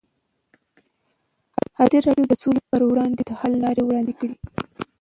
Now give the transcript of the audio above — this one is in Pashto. ازادي راډیو د سوله پر وړاندې د حل لارې وړاندې کړي.